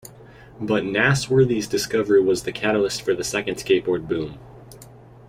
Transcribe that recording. But Nasworthy's discovery was the catalyst for the second skateboard boom.